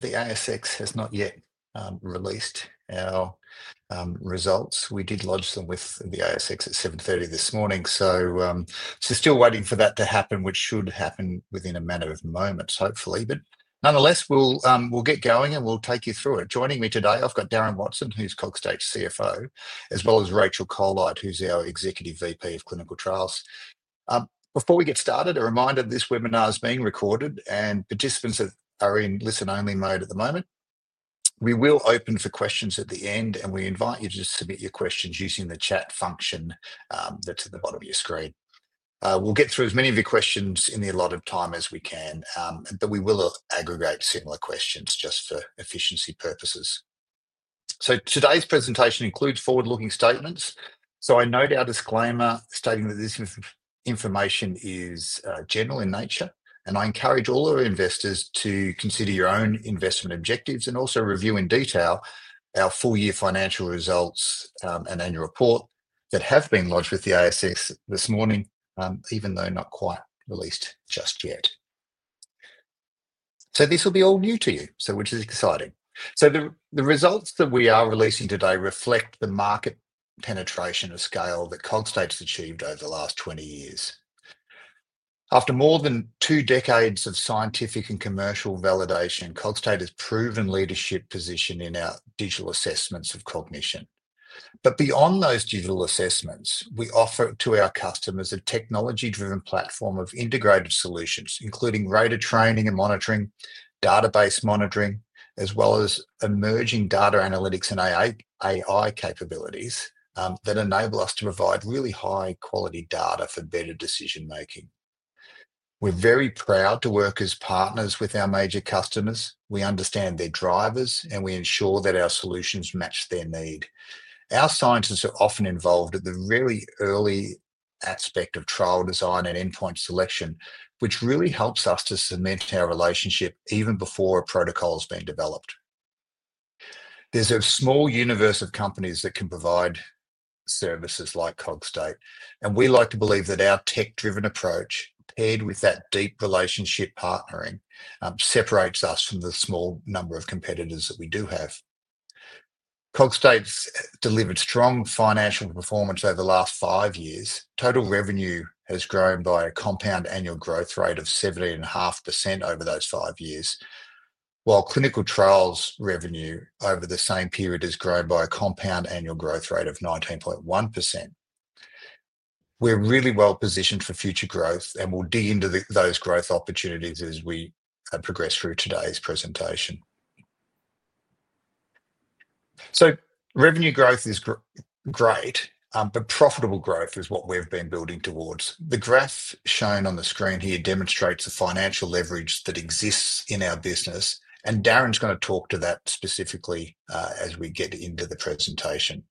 The ASX has not yet released our results. We did lodge them with the ASX at 7:30 A.M. this morning. Still waiting for that to happen, which should happen within a matter of moments, hopefully. Nonetheless, we'll get going and we'll take you through it. Joining me today, I've got Darren Watson, who's Cogstate's CFO, as well as Rachel Colite, who's our Executive VP of Clinical Trials. Before we get started, a reminder that this webinar is being recorded and participants are in listen-only mode at the moment. We will open for questions at the end, and we invite you to submit your questions using the chat function that's at the bottom of your screen. We'll get through as many of your questions in the allotted time as we can, but we will aggregate similar questions just for efficiency purposes. Today's presentation includes forward-looking statements. I note our disclaimer stating that this information is general in nature, and I encourage all our investors to consider your own investment objectives and also review in detail our full-year financial results and annual report that have been lodged with the ASX this morning, even though not quite released just yet. This will be all new to you, which is exciting. The results that we are releasing today reflect the market penetration of scale that Cogstate has achieved over the last 20 years. After more than two decades of scientific and commercial validation, Cogstate has proven leadership position in our digital cognitive assessments. Beyond those digital assessments, we offer to our customers a technology-driven platform of integrated solutions, including rater training and monitoring, database monitoring, as well as emerging data analytics and AI capabilities that enable us to provide really high-quality data for better decision-making. We're very proud to work as partners with our major customers. We understand their drivers, and we ensure that our solutions match their need. Our scientists are often involved at the very early aspect of trial design and endpoint selection, which really helps us to cement our relationship even before a protocol has been developed. There's a small universe of companies that can provide services like Cogstate, and we like to believe that our tech-driven approach, paired with that deep relationship partnering, separates us from the small number of competitors that we do have. Cogstate's delivered strong financial performance over the last five years. Total revenue has grown by a compound annual growth rate of 17.5% over those five years, while clinical trials revenue over the same period has grown by a compound annual growth rate of 19.1%. We're really well-positioned for future growth, and we'll dig into those growth opportunities as we progress through today's presentation. Revenue growth is great, but profitable growth is what we've been building towards. The graph shown on the screen here demonstrates the financial leverage that exists in our business, and Darren's going to talk to that specifically as we get into the presentation.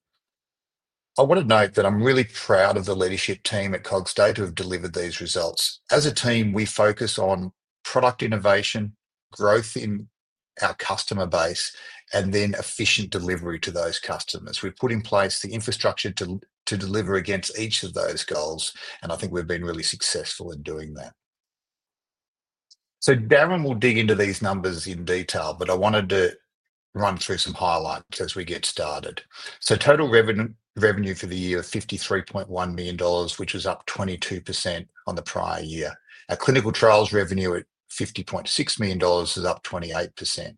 I want to note that I'm really proud of the leadership team at Cogstate who have delivered these results. As a team, we focus on product innovation, growth in our customer base, and then efficient delivery to those customers. We put in place the infrastructure to deliver against each of those goals, and I think we've been really successful in doing that. Darren will dig into these numbers in detail, but I wanted to run through some highlights as we get started. Total revenue for the year is $53.1 million, which was up 22% on the prior year. Our clinical trials revenue at $50.6 million is up 28%.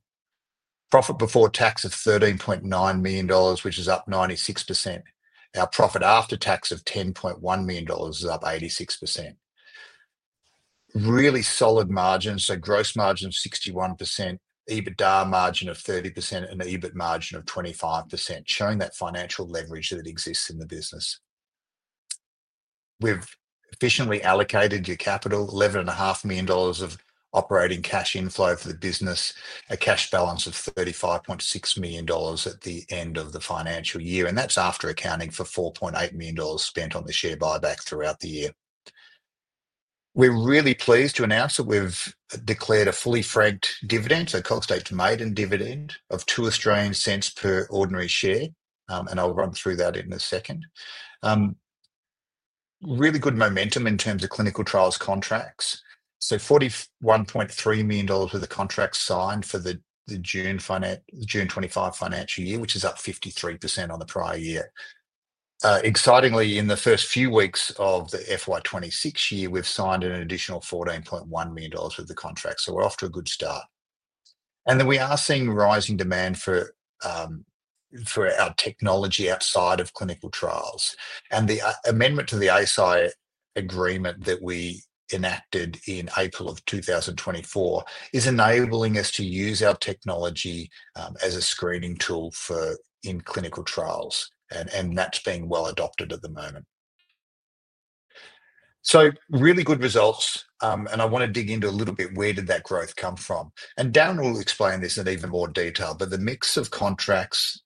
Profit before tax of $13.9 million, which is up 96%. Our profit after tax of $10.1 million is up 86%. Really solid margins, so gross margin of 61%, EBITDA margin of 30%, and EBIT margin of 25%, showing that financial leverage that exists in the business. We've efficiently allocated your capital, $11.5 million of operating cash inflow for the business, a cash balance of $35.6 million at the end of the financial year, and that's after accounting for $4.8 million spent on the share buyback throughout the year. We're really pleased to announce that we've declared a fully-franked dividend, so Cogstate made a dividend of $0.02 Australian per ordinary share, and I'll run through that in a second. Really good momentum in terms of clinical trials contracts. $41.3 million of the contracts signed for the June 2025 financial year, which is up 53% on the prior year. Excitingly, in the first few weeks of the FY 2026 year, we've signed an additional $14.1 million of the contracts, so we're off to a good start. We are seeing rising demand for our technology outside of clinical trials. The amendment to the ASI agreement that we enacted in April of 2024 is enabling us to use our technology as a screening tool in clinical trials, and that's being well-adopted at the moment. Really good results, and I want to dig into a little bit where did that growth come from. Darren will explain this in even more detail, but the mix of contracts,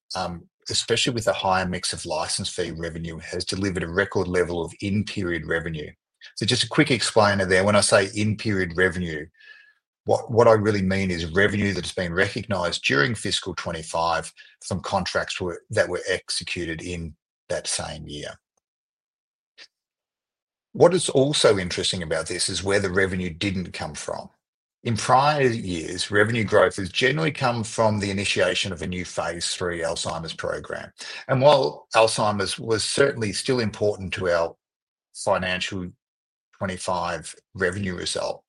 especially with a higher mix of license fee revenue, has delivered a record level of in-period revenue. Just a quick explainer there. When I say in-period revenue, what I really mean is revenue that's been recognized during fiscal 2025 from contracts that were executed in that same year. What is also interesting about this is where the revenue didn't come from. In prior years, revenue growth has generally come from the initiation of a new phase three Alzheimer's program. While Alzheimer's was certainly still important to our fiscal 2025 revenue result,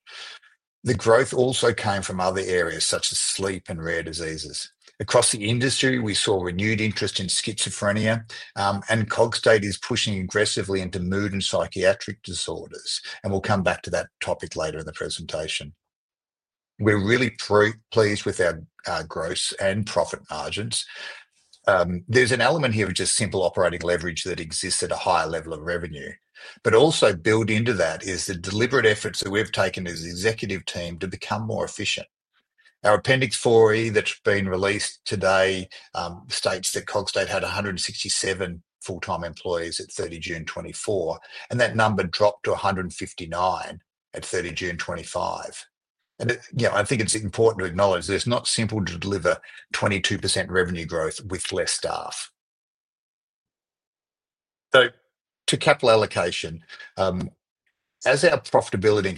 the growth also came from other areas such as sleep and rare diseases. Across the industry, we saw renewed interest in schizophrenia, and Cogstate is pushing aggressively into mood and psychiatric disorders. We'll come back to that topic later in the presentation. We're really pleased with our gross and profit margins. There's an element here of just simple operating leverage that exists at a higher level of revenue. Also built into that is the deliberate efforts that we've taken as the executive team to become more efficient. Our Appendix 4E that's been released today states that Cogstate had 167 full-time employees at 30 June, 2024, and that number dropped to 159 at 30 June, 2025. I think it's important to acknowledge that it's not simple to deliver 22% revenue growth with less staff. To capital allocation, as our profitability and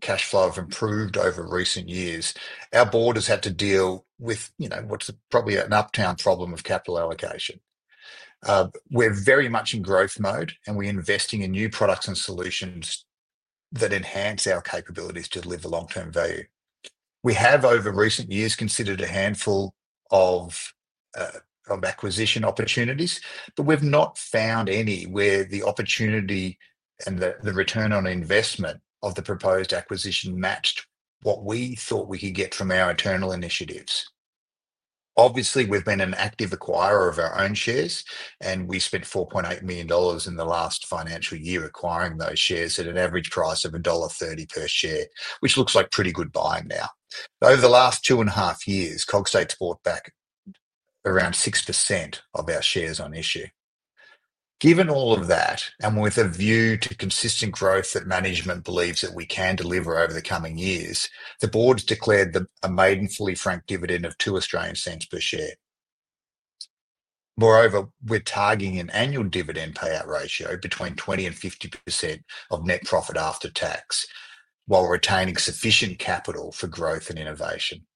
cash flow have improved over recent years, our board has had to deal with what's probably an uptown problem of capital allocation. We're very much in growth mode, and we're investing in new products and solutions that enhance our capabilities to deliver long-term value. We have over recent years considered a handful of acquisition opportunities, but we've not found any where the opportunity and the return on investment of the proposed acquisition matched what we thought we could get from our internal initiatives. Obviously, we've been an active acquirer of our own shares, and we've spent $4.8 million in the last financial year acquiring those shares at an average price of $1.30 per share, which looks like pretty good buying now. Over the last two and a half years, Cogstate's bought back around 6% of our shares on issue. Given all of that, and with a view to consistent growth that management believes that we can deliver over the coming years, the board's declared a maiden fully-franked dividend of $0.02 per share. Moreover, we're targeting an annual dividend payout ratio between 20% and 50% of net profit after tax, while retaining sufficient capital for growth and innovation.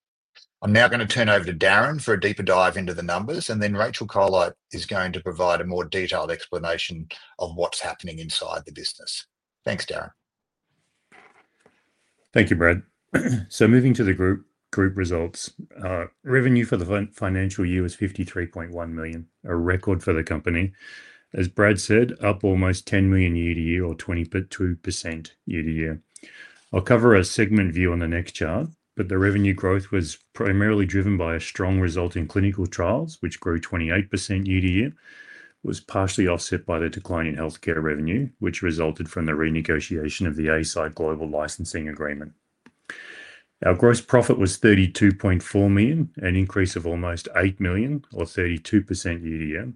I'm now going to turn over to Darren for a deeper dive into the numbers, and then Rachel Colite is going to provide a more detailed explanation of what's happening inside the business. Thanks, Darren. Thank you, Brad. Moving to the group results, revenue for the financial year was $53.1 million, a record for the company. As Brad said, up almost $10 million year-to-year or 22% year-to-year. I'll cover a segment view on the next chart, but the revenue growth was primarily driven by a strong result in clinical trials, which grew 28% year-to-year, partially offset by the decline in healthcare revenue, which resulted from the renegotiation of the ASI Global Licensing Agreement. Our gross profit was $32.4 million, an increase of almost $8 million or 32% year-to-year,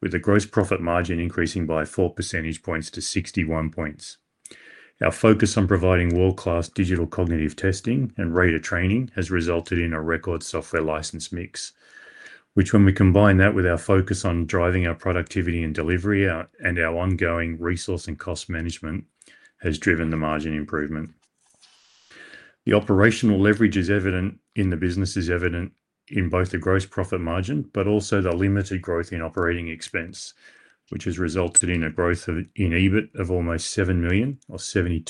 with the gross profit margin increasing by 4 percentage points to 61%. Our focus on providing world-class digital cognitive testing and rater training has resulted in a record software license mix, which, when we combine that with our focus on driving our productivity and delivery and our ongoing resource and cost management, has driven the margin improvement. The operational leverage is evident in the business, evident in both the gross profit margin and the limited growth in operating expense, which has resulted in a growth in EBIT of almost $7 million or 72%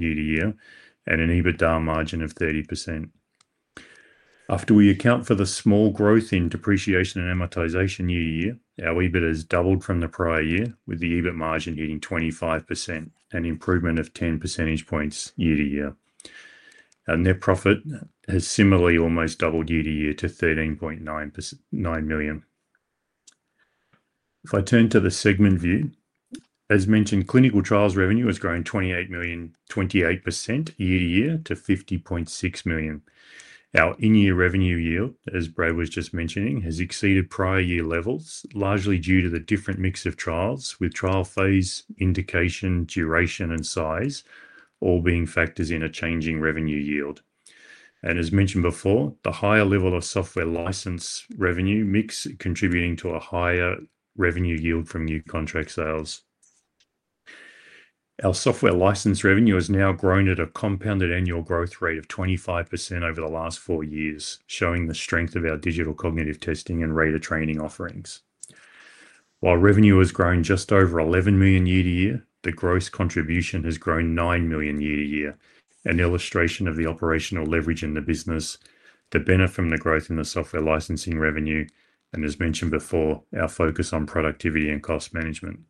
year-to-year and an EBITDA margin of 30%. After we account for the small growth in depreciation and amortization year-to-year, our EBIT has doubled from the prior year, with the EBIT margin hitting 25% and an improvement of 10 percentage points year-to-year. Our net profit has similarly almost doubled year-to-year to $13.9 million. If I turn to the segment view, as mentioned, clinical trials revenue has grown 28%, year-to-year to $50.6 million. Our in-year revenue yield, as Brad was just mentioning, has exceeded prior year levels, largely due to the different mix of trials with trial phase, indication, duration, and size all being factors in a changing revenue yield. As mentioned before, the higher level of software license revenue mix is contributing to a higher revenue yield from new contract sales. Our software license revenue has now grown at a compounded annual growth rate of 25% over the last four years, showing the strength of our digital cognitive testing and rater training offerings. While revenue has grown just over $11 million year-to-year, the gross contribution has grown $9 million year-to-year, an illustration of the operational leverage in the business to benefit from the growth in the software licensing revenue, and as mentioned before, our focus on productivity and cost management.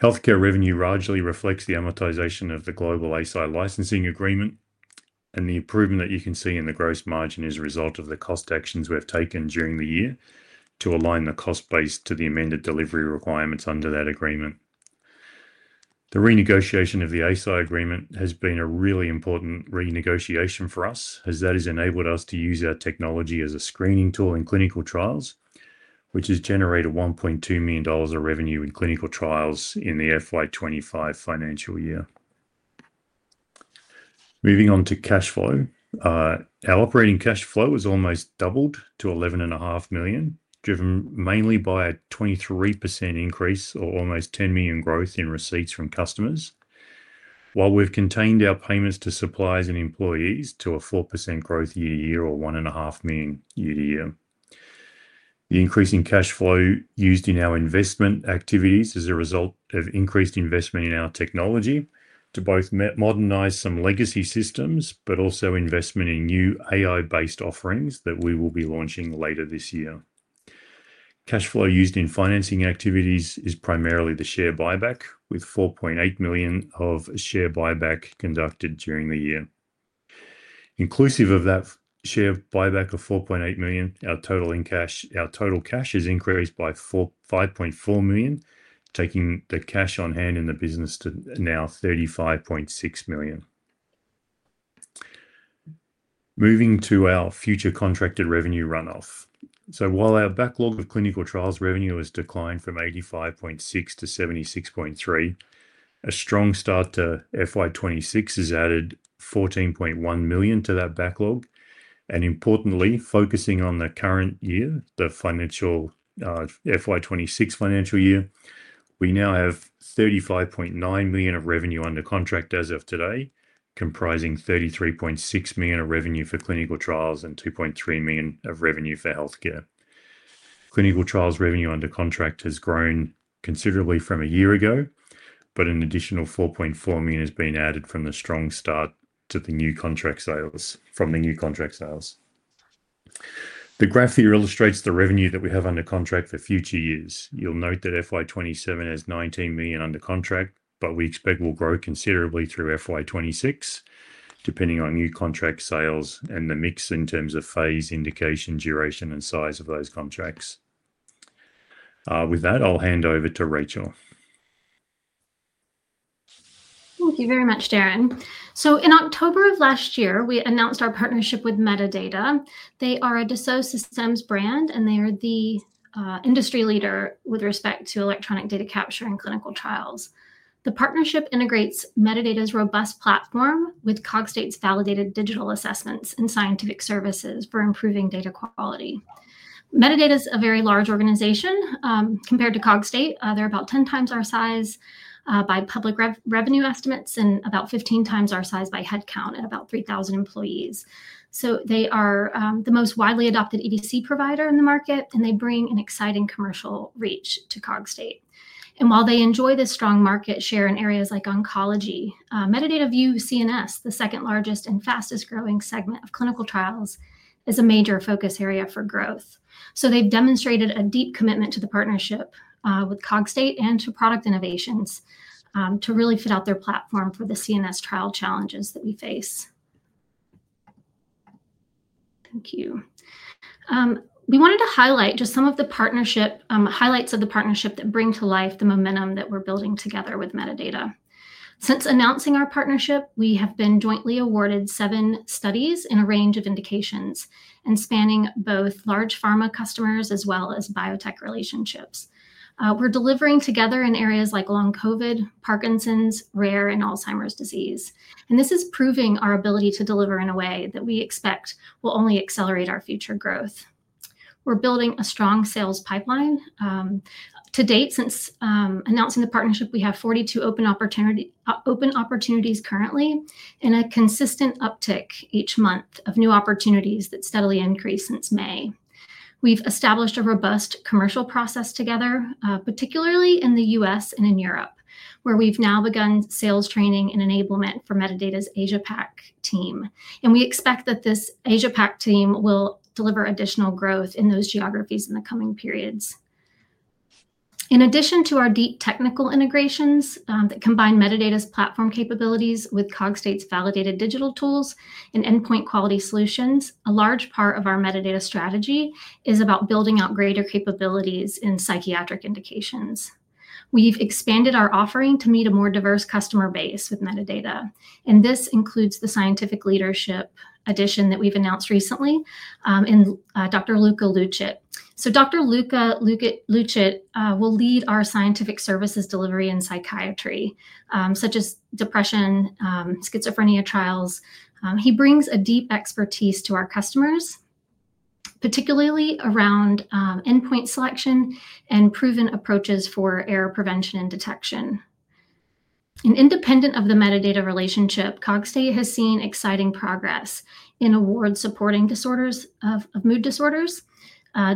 Healthcare revenue largely reflects the amortization of the Global ASI Licensing Agreement, and the improvement that you can see in the gross margin is a result of the cost actions we've taken during the year to align the cost base to the amended delivery requirements under that agreement. The renegotiation of the ASI agreement has been a really important renegotiation for us, as that has enabled us to use our technology as a screening tool in clinical trials, which has generated $1.2 million of revenue in clinical trials in the FY 2025 financial year. Moving on to cash flow, our operating cash flow has almost doubled to $11.5 million, driven mainly by a 23% increase or almost $10 million growth in receipts from customers, while we've contained our payments to suppliers and employees to a 4% growth year-to-year or $1.5 million year-to-year. The increase in cash flow used in our investment activities is a result of increased investment in our technology to both modernize some legacy systems, but also investment in new AI-powered products that we will be launching later this year. Cash flow used in financing activities is primarily the share buyback, with $4.8 million of share buyback conducted during the year. Inclusive of that share buyback of $4.8 million, our total cash has increased by $5.4 million, taking the cash on hand in the business to now $35.6 million. Moving to our future contracted revenue runoff, while our backlog of clinical trials revenue has declined from $85.6 million-$76.3 million, a strong start to FY 2026 has added $14.1 million to that backlog. Importantly, focusing on the current year, the FY 2026 financial year, we now have $35.9 million of revenue under contract as of today, comprising $33.6 million of revenue for clinical trials and $2.3 million of revenue for healthcare. Clinical trials revenue under contract has grown considerably from a year ago, and an additional $4.4 million has been added from the strong start to the new contract sales. The graph here illustrates the revenue that we have under contract for future years. You'll note that FY 2027 has $19 million under contract, but we expect we'll grow considerably through FY 2026, depending on new contract sales and the mix in terms of phase, indication, duration, and size of those contracts. With that, I'll hand over to Rachel. Thank you very much, Darren. In October of last year, we announced our partnership with Medidata. They are a Dassault Systèmes brand, and they are the industry leader with respect to electronic data capture in clinical trials. The partnership integrates Medidata's robust platform with Cogstate's validated digital cognitive assessments and scientific services for improving data quality. Medidata is a very large organization compared to Cogstate. They're about 10x our size by public revenue estimates and about 15x our size by headcount, with about 3,000 employees. They are the most widely adopted EDC provider in the market, and they bring an exciting commercial reach to Cogstate. While they enjoy this strong market share in areas like oncology, Medidata views CNS, the second largest and fastest growing segment of clinical trials, as a major focus area for growth. They have demonstrated a deep commitment to the partnership with Cogstate and to product innovations to really fit out their platform for the CNS trial challenges that we face. Thank you. We wanted to highlight just some of the highlights of the partnership that bring to life the momentum that we're building together with Medidata. Since announcing our partnership, we have been jointly awarded seven studies in a range of indications and spanning both large pharma customers as well as biotech relationships. We're delivering together in areas like long COVID, Parkinson's, rare, and Alzheimer's disease. This is proving our ability to deliver in a way that we expect will only accelerate our future growth. We're building a strong sales pipeline. To date, since announcing the partnership, we have 42 open opportunities currently and a consistent uptick each month of new opportunities that have steadily increased since May. We've established a robust commercial process together, particularly in the U.S. and in Europe, where we've now begun sales training and enablement for Medidata's Asia-Pac team. We expect that this Asia-Pac team will deliver additional growth in those geographies in the coming periods. In addition to our deep technical integrations that combine Medidata's platform capabilities with Cogstate's validated digital tools and endpoint quality solutions, a large part of our Medidata strategy is about building out greater capabilities in psychiatric indications. We've expanded our offering to meet a more diverse customer base with Medidata. This includes the scientific leadership addition that we've announced recently in Dr. Luca Lucit. Dr. Luca Lucit will lead our scientific services delivery in psychiatry, such as depression and schizophrenia trials. He brings a deep expertise to our customers, particularly around endpoint selection and proven approaches for error prevention and detection. Independent of the Medidata relationship, Cogstate has seen exciting progress in award-supporting disorders of mood disorders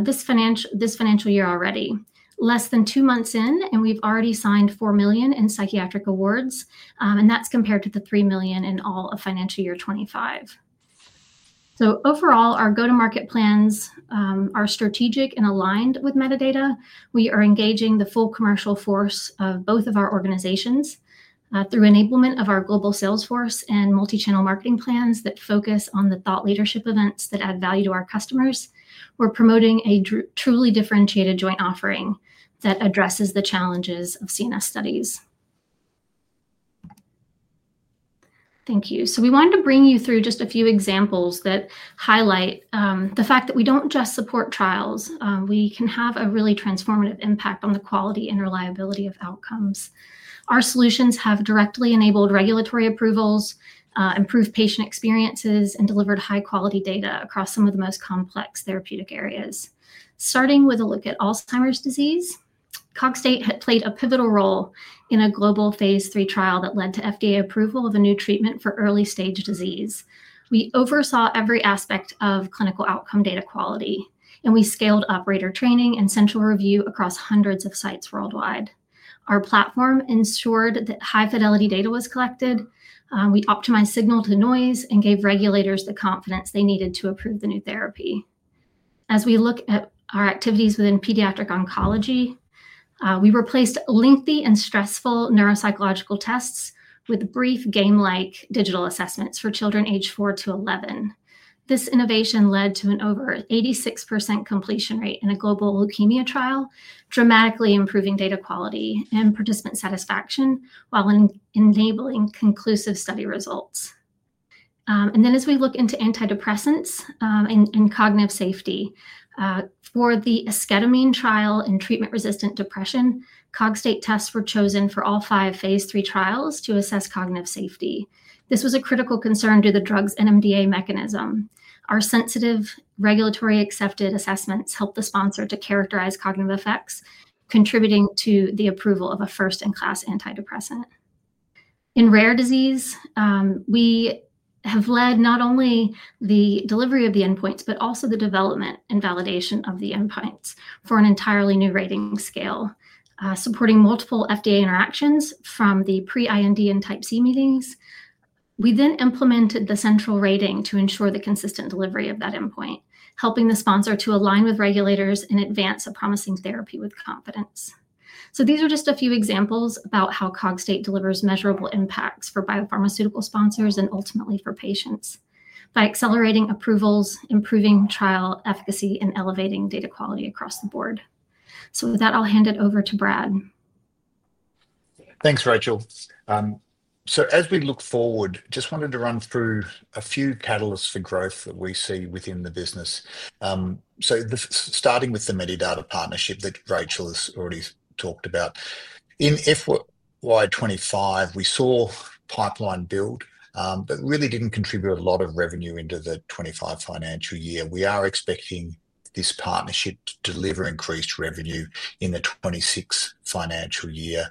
this financial year already. Less than two months in, we've already signed $4 million in psychiatric awards, compared to the $3 million in all of financial year 2025. Overall, our go-to-market plans are strategic and aligned with Medidata. We are engaging the full commercial force of both of our organizations through enablement of our global sales force and multi-channel marketing plans that focus on the thought leadership events that add value to our customers. We're promoting a truly differentiated joint offering that addresses the challenges of CNS studies. Thank you. We wanted to bring you through just a few examples that highlight the fact that we don't just support trials. We can have a really transformative impact on the quality and reliability of outcomes. Our solutions have directly enabled regulatory approvals, improved patient experiences, and delivered high-quality data across some of the most complex therapeutic areas. Starting with a look at Alzheimer's disease, Cogstate played a pivotal role in a global Phase III trial that led to FDA approval of a new treatment for early-stage disease. We oversaw every aspect of clinical outcome data quality, and we scaled operator training and central review across hundreds of sites worldwide. Our platform ensured that high-fidelity data was collected. We optimized signal-to-noise and gave regulators the confidence they needed to approve the new therapy. As we look at our activities within pediatric oncology, we replaced lengthy and stressful neuropsychological tests with brief game-like digital assessments for children aged 4-11. This innovation led to an over 86% completion rate in a global leukemia trial, dramatically improving data quality and participant satisfaction while enabling conclusive study results. As we look into antidepressants and cognitive safety, for the esketamine trial in treatment-resistant depression, Cogstate tests were chosen for all five Phase III trials to assess cognitive safety. This was a critical concern due to the drug's NMDA mechanism. Our sensitive regulatory-accepted assessments helped the sponsor to characterize cognitive effects, contributing to the approval of a first-in-class antidepressant. In rare disease, we have led not only the delivery of the endpoints but also the development and validation of the endpoints for an entirely new rating scale, supporting multiple FDA interactions from the pre-IND and type C meetings. We then implemented the central rating to ensure the consistent delivery of that endpoint, helping the sponsor to align with regulators and advance a promising therapy with confidence. These are just a few examples about how Cogstate delivers measurable impacts for biopharmaceutical sponsors and ultimately for patients by accelerating approvals, improving trial efficacy, and elevating data quality across the board. With that, I'll hand it over to Brad. Thanks, Rachel. As we look forward, I just wanted to run through a few catalysts for growth that we see within the business. Starting with the Medidata partnership that Rachel has already talked about, in FY 2025, we saw pipeline build but really didn't contribute a lot of revenue into the 2025 financial year. We are expecting this partnership to deliver increased revenue in the 2026 financial year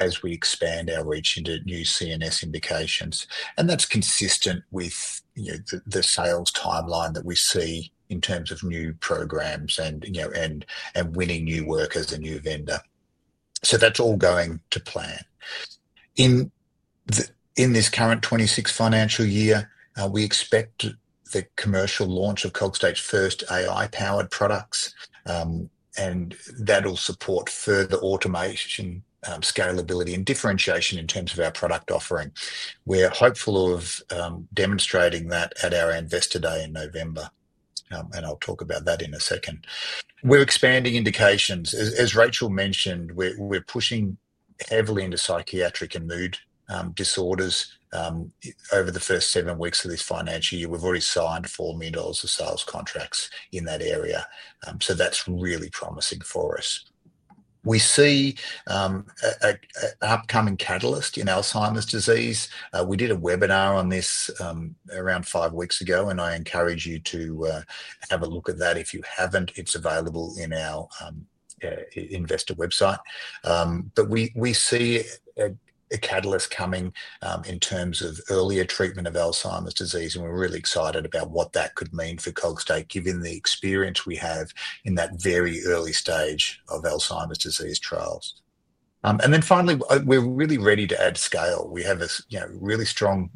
as we expand our reach into new CNS indications. That's consistent with the sales timeline that we see in terms of new programs and winning new work and new vendors. That's all going to plan. In this current 2026 financial year, we expect the commercial launch of Cogstate's first AI-powered products, and that'll support further automation, scalability, and differentiation in terms of our product offering. We're hopeful of demonstrating that at our Investor Day in November, and I'll talk about that in a second. We're expanding indications. As Rachel mentioned, we're pushing heavily into psychiatric and mood disorders. Over the first seven weeks of this financial year, we've already signed $4 million of sales contracts in that area. That's really promising for us. We see an upcoming catalyst in Alzheimer's disease. We did a webinar on this around five weeks ago, and I encourage you to have a look at that if you haven't. It's available on our investor website. We see a catalyst coming in terms of earlier treatment of Alzheimer's disease, and we're really excited about what that could mean for Cogstate given the experience we have in that very early stage of Alzheimer's disease trials. Finally, we're really ready to add scale. We have a really strong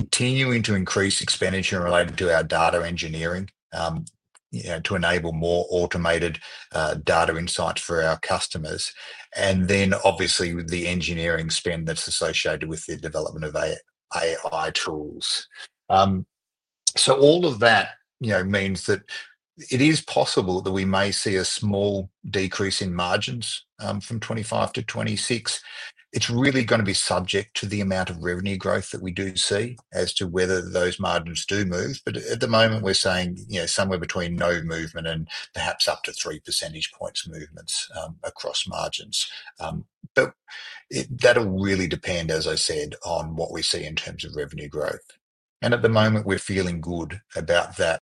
continuing to increase expenditure related to our data engineering to enable more automated data insights for our customers. Obviously, with the engineering spend that's associated with the development of AI tools, all of that means that it is possible that we may see a small decrease in margins from 2025 to 2026. It's really going to be subject to the amount of revenue growth that we do see as to whether those margins do move. At the moment, we're saying somewhere between no movement and perhaps up to 3% of movement across margins. That really depends, as I said, on what we see in terms of revenue growth. At the moment, we're feeling good about that.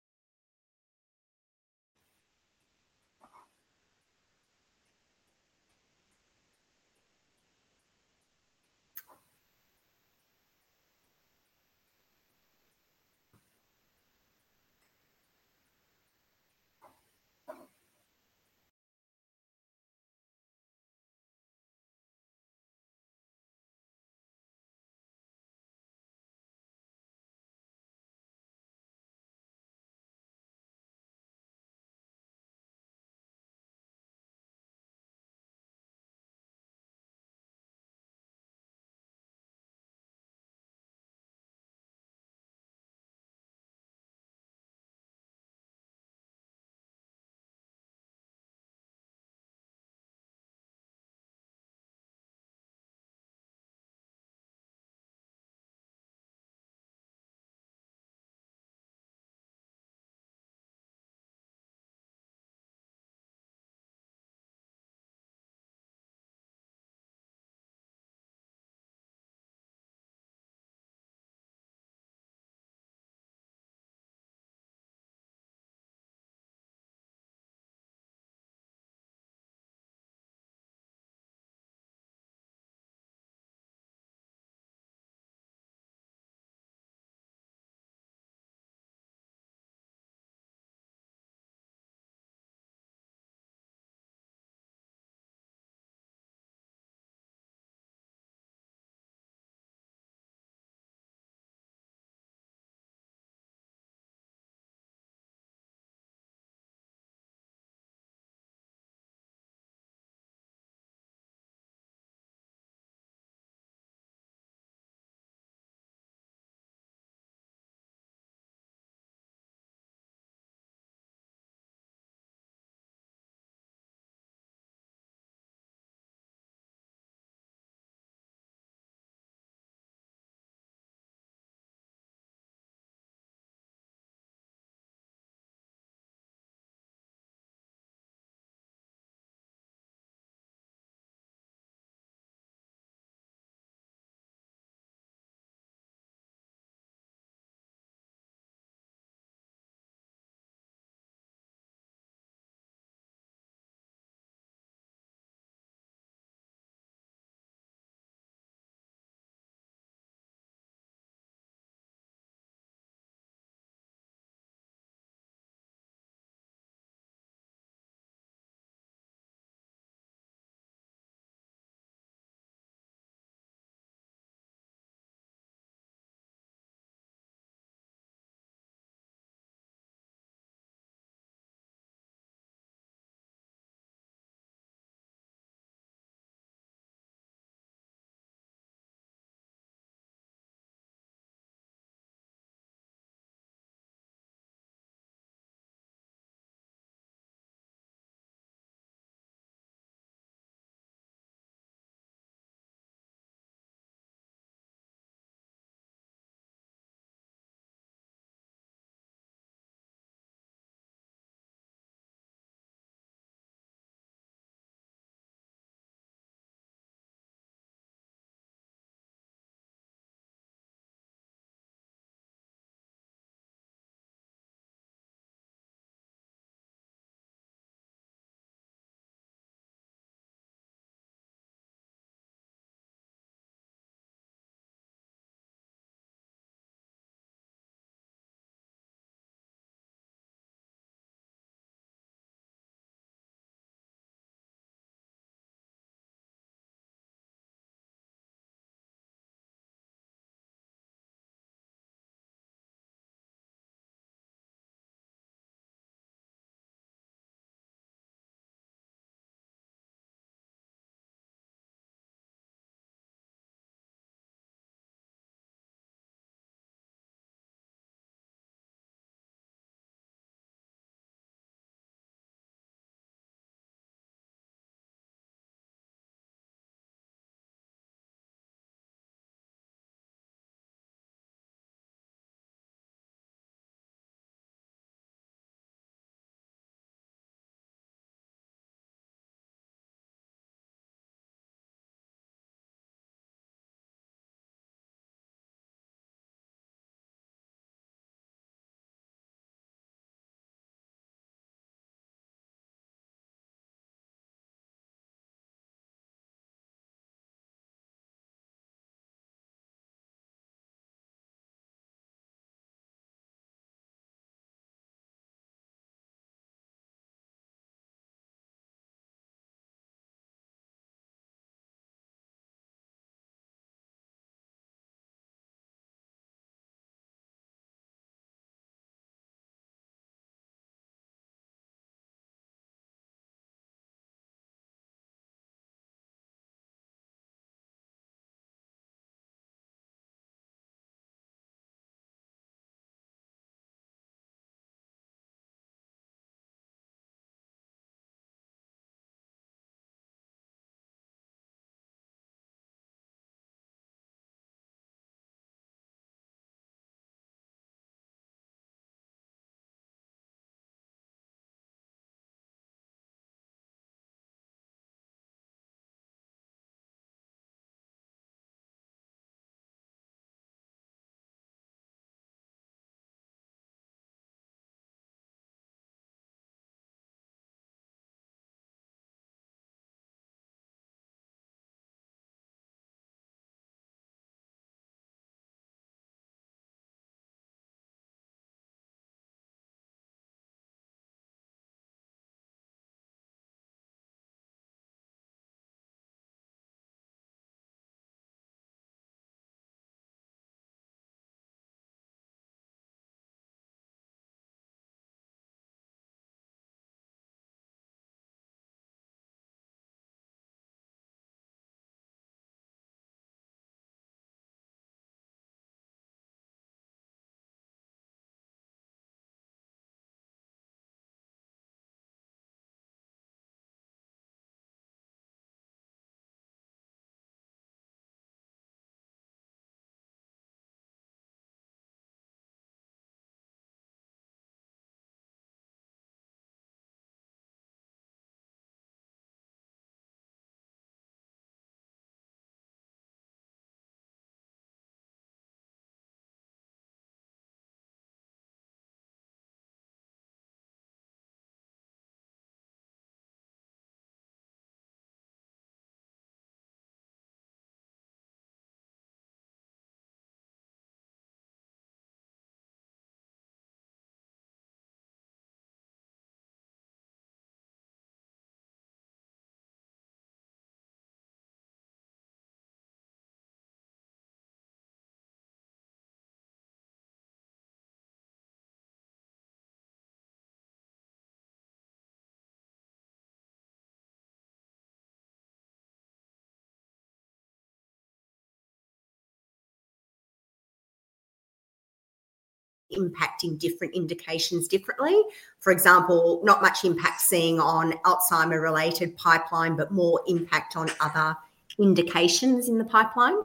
Impacting different indications differently. For example, not much impact seen on Alzheimer-related pipeline, but more impact on other indications in the pipeline.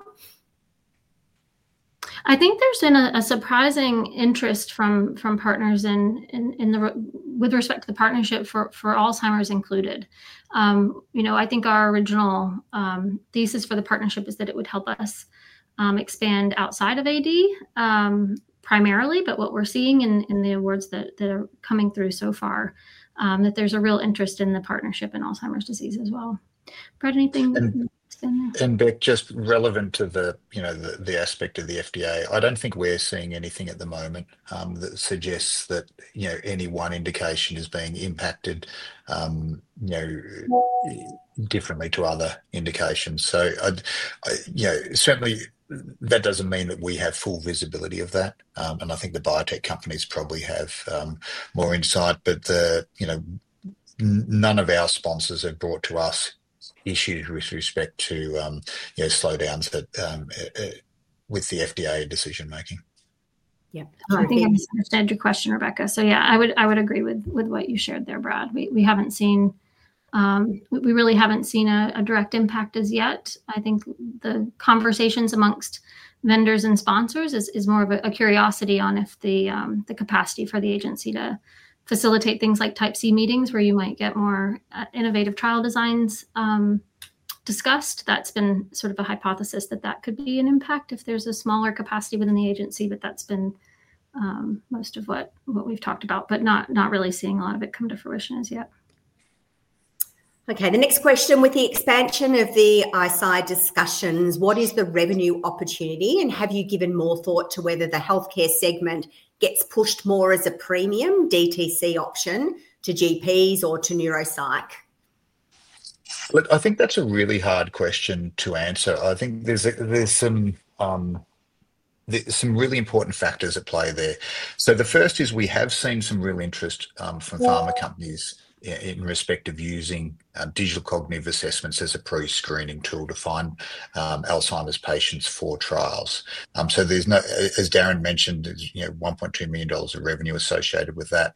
I think there's been a surprising interest from partners with respect to the partnership for Alzheimer's included. I think our original thesis for the partnership is that it would help us expand outside of AD primarily. What we're seeing in the awards that are coming through so far is that there's a real interest in the partnership in Alzheimer's disease as well. Brad, anything in there? Beth, just relevant to the aspect of the FDA, I don't think we're seeing anything at the moment that suggests that any one indication is being impacted differently to other indications. That doesn't mean that we have full visibility of that. I think the biotech companies probably have more insight. None of our sponsors have brought to us issues with respect to slowdowns with the FDA decision-making. Yeah, I think I misunderstand your question, Rebecca. I would agree with what you shared there, Brad. We haven't seen, we really haven't seen a direct impact as yet. I think the conversations amongst vendors and sponsors is more of a curiosity on if the capacity for the agency to facilitate things like type C meetings where you might get more innovative trial designs discussed. That's been sort of a hypothesis that that could be an impact if there's a smaller capacity within the agency. That's been most of what we've talked about, not really seeing a lot of it come to fruition as yet. Okay, the next question, with the expansion of the Eisai discussions, what is the revenue opportunity? Have you given more thought to whether the healthcare segment gets pushed more as a premium DTC option to GPs or to neuropsych? I think that's a really hard question to answer. I think there's some really important factors at play there. The first is we have seen some real interest from pharma companies in respect of using digital cognitive assessments as a pre-screening tool to find Alzheimer's patients for trials. There's no, as Darren mentioned, $1.2 million of revenue associated with that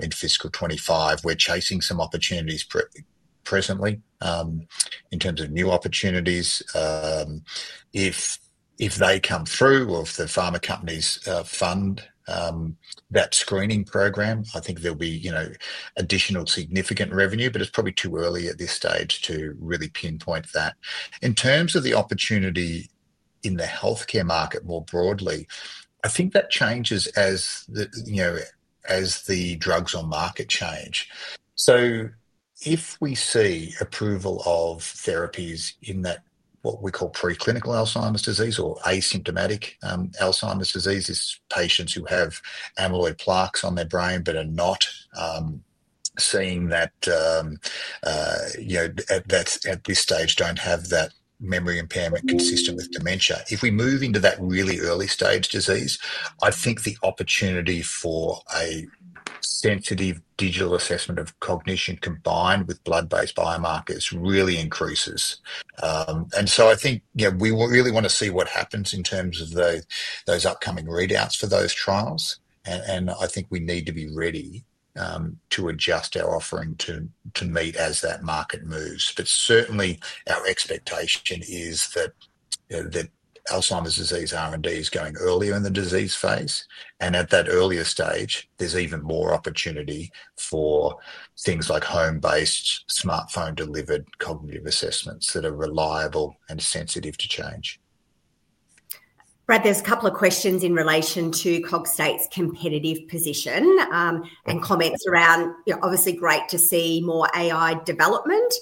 in fiscal 2025. We're chasing some opportunities presently in terms of new opportunities. If they come through or if the pharma companies fund that screening program, I think there'll be additional significant revenue, but it's probably too early at this stage to really pinpoint that. In terms of the opportunity in the healthcare market more broadly, I think that changes as the drugs on market change. If we see approval of therapies in what we call preclinical Alzheimer's disease or asymptomatic Alzheimer's disease, these patients who have amyloid plaques on their brain but at this stage don't have that memory impairment consistent with dementia. If we move into that really early stage disease, I think the opportunity for a sensitive digital assessment of cognition combined with blood-based biomarkers really increases. I think we really want to see what happens in terms of those upcoming readouts for those trials. I think we need to be ready to adjust our offering to meet as that market moves. Certainly our expectation is that Alzheimer's disease R&D is going earlier in the disease phase. At that earlier stage, there's even more opportunity for things like home-based smartphone-delivered cognitive assessments that are reliable and sensitive to change. Brad, there's a couple of questions in relation to Cogstate's competitive position and comments around, you know, obviously great to see more AI development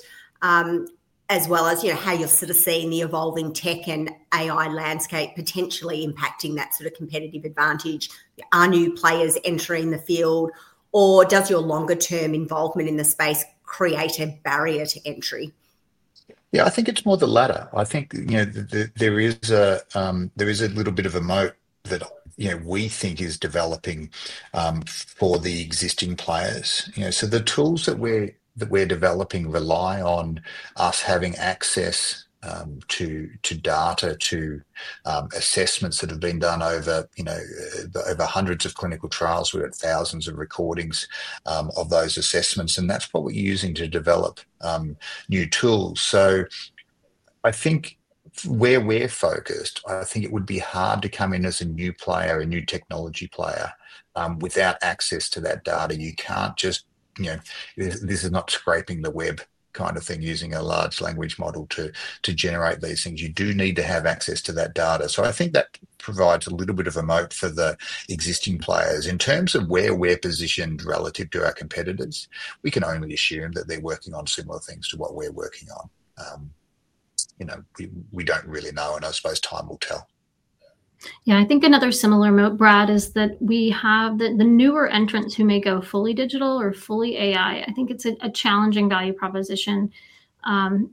as well as, you know, how you're sort of seeing the evolving tech and AI landscape potentially impacting that sort of competitive advantage. Are new players entering the field, or does your longer-term involvement in the space create a barrier to entry? I think it's more the latter. There is a little bit of a moat that we think is developing for the existing players. The tools that we're developing rely on us having access to data, to assessments that have been done over hundreds of clinical trials. We've got thousands of recordings of those assessments, and that's what we're using to develop new tools. Where we're focused, it would be hard to come in as a new player, a new technology player without access to that data. You can't just, this is not scraping the web kind of thing using a large language model to generate these things. You do need to have access to that data. That provides a little bit of a moat for the existing players. In terms of where we're positioned relative to our competitors, we can only assume that they're working on similar things to what we're working on. We don't really know, and I suppose time will tell. Yeah, I think another similar moat, Brad, is that we have the newer entrants who may go fully digital or fully AI. I think it's a challenging value proposition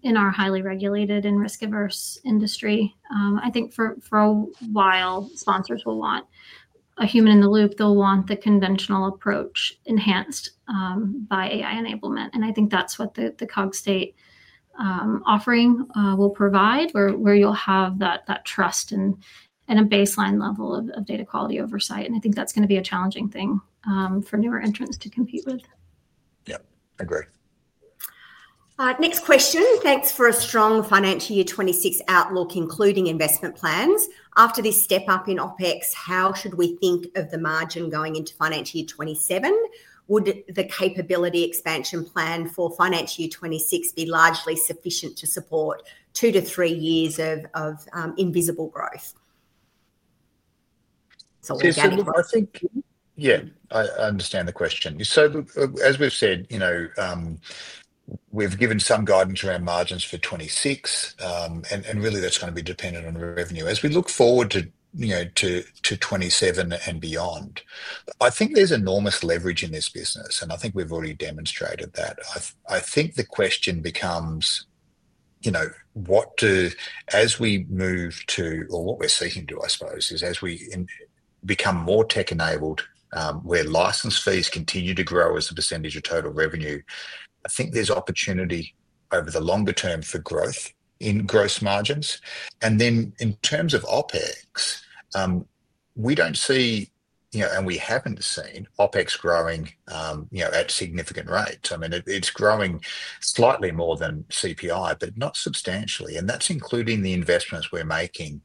in our highly regulated and risk-averse industry. I think for a while, sponsors will want a human in the loop. They'll want the conventional approach enhanced by AI enablement. I think that's what the Cogstate offering will provide, where you'll have that trust and a baseline level of data quality oversight. I think that's going to be a challenging thing for newer entrants to compete with. Yeah, I agree. Next question. Thanks for a strong financial year 2026 outlook, including investment plans. After this step up in OpEx, how should we think of the margin going into financial year 2027? Would the capability expansion plan for financial year 2026 be largely sufficient to support two to three years of invisible growth? Yeah, I understand the question. As we've said, we've given some guidance around margins for 2026, and really that's going to be dependent on revenue. As we look forward to 2027 and beyond, I think there's enormous leverage in this business, and I think we've already demonstrated that. The question becomes, what do, as we move to, or what we're seeking to, I suppose, is as we become more tech-enabled, where license fees continue to grow as a percentage of total revenue, I think there's opportunity over the longer term for growth in gross margins. In terms of OpEx, we don't see, and we haven't seen OpEx growing at significant rates. It's growing slightly more than CPI, but not substantially. That's including the investments we're making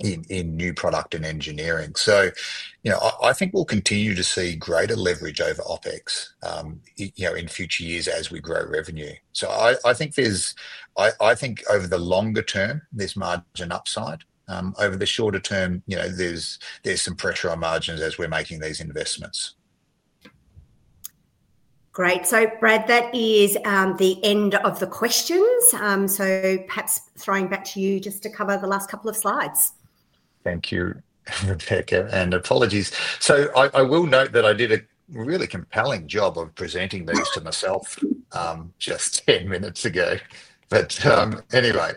in new product and engineering. I think we'll continue to see greater leverage over OpEx in future years as we grow revenue. I think over the longer term, there's margin upside. Over the shorter term, there's some pressure on margins as we're making these investments. Great. Brad, that is the end of the questions. Perhaps throwing back to you just to cover the last couple of slides. Thank you, Rebecca, and apologies. I will note that I did a really compelling job of presenting this to myself just 10 minutes ago. Anyway,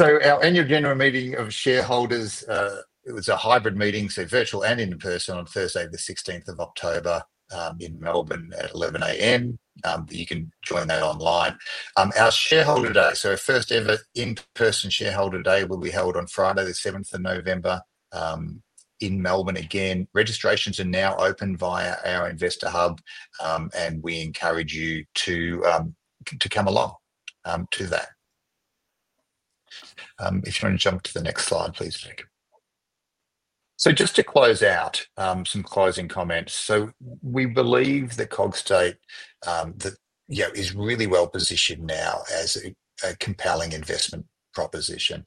our annual general meeting of shareholders was a hybrid meeting, virtual and in-person, on Thursday, the 16th of October in Melbourne at 11:00 A.M. You can join that online. Our shareholder day, our first ever in-person shareholder day, will be held on Friday, the 7th of November in Melbourne. Registrations are now open via our investor hub, and we encourage you to come along to that. If you want to jump to the next slide, please, Jacob. Just to close out some closing comments. We believe that Cogstate is really well-positioned now as a compelling investment proposition.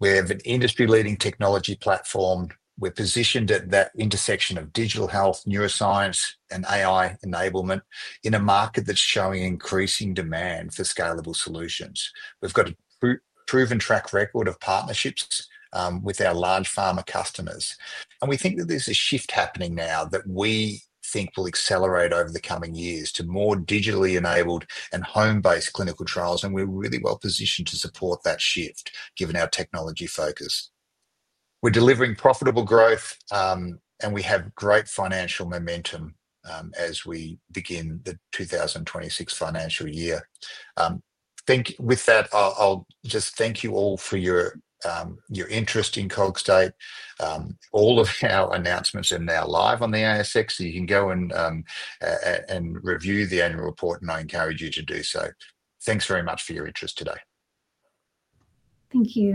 We have an industry-leading technology platform. We are positioned at that intersection of digital health, neuroscience, and AI enablement in a market that's showing increasing demand for scalable solutions. We have a proven track record of partnerships with our large pharma customers. We think that there's a shift happening now that will accelerate over the coming years to more digitally-enabled and home-based clinical trials. We are really well positioned to support that shift given our technology focus. We are delivering profitable growth, and we have great financial momentum as we begin the 2026 financial year. With that, I'll just thank you all for your interest in Cogstate. All of our announcements are now live on the ASX. You can go and review the annual report, and I encourage you to do so. Thanks very much for your interest today. Thank you.